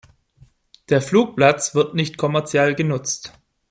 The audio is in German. Der Flugplatz wird nicht kommerziell genutzt.